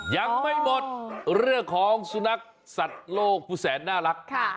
ยังไม่หมดเรื่องของสุนัขสัตว์โลกผู้แสนน่ารัก